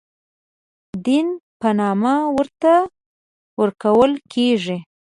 دین په نامه ورته ورکول کېږي.